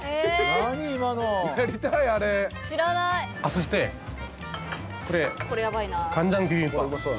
そしてこれ。